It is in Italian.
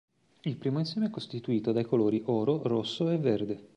Il primo insieme è costituito dai colori oro, rosso e verde.